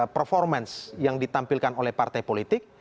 performance yang ditampilkan oleh partai politik